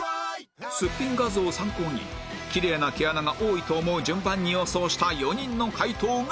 すっぴん画像を参考にきれいな毛穴が多いと思う順番に予想した４人の解答がこちら